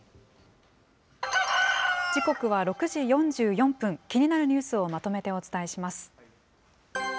時刻は６時４４分、気になるニュースをまとめてお伝えします。